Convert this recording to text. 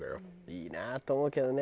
いいなと思うけどね。